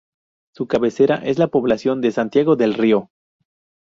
Su cabecera es la población de Santiago del Río.